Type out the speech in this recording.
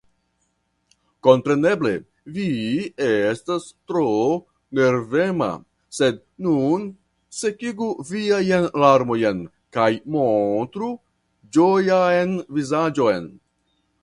Kompreneble; vi estas tro nervema, sed nun sekigu viajn larmojn kaj montru ĝojan vizaĝon.